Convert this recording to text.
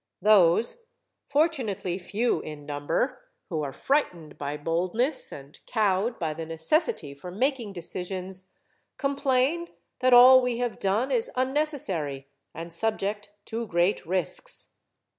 Those, fortunately few in number, who are frightened by boldness and cowed by the necessity for making decisions, complain that all we have done is unnecessary and subject to great risks.